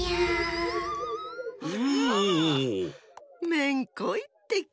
めんこいってけ。